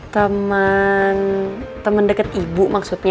teman teman dekat ibu maksudnya